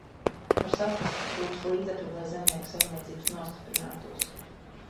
Var saprast, ka trūkst līdzekļu, lai zemnieku saimniecības nostiprinātos.